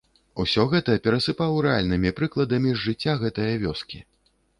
Усё гэта перасыпаў рэальнымі прыкладамі з жыцця гэтае вёскі.